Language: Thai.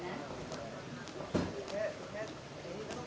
พวกเขาถ่ายมันตรงกลาง